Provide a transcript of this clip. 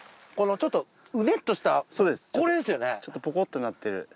ちょっとポコッとなってる。